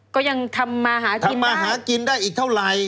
ก็ยังทำมาหากินมาหากินได้อีกเท่าไหร่